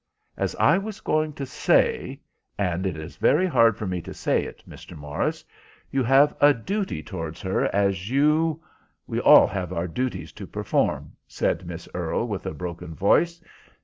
"As I was going to say, and it is very hard for me to say it, Mr. Morris, you have a duty towards her as you—we all have our duties to perform," said Miss Earle, with a broken voice.